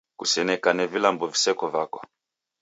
Kusenekane vilambo viseko vako